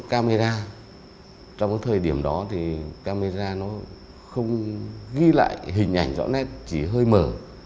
những camera trong thời điểm đó thì camera nó không ghi lại hình ảnh rõ nét chỉ hơi mở